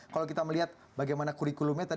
kalau kita melihat bagaimana kurikulumnya tadi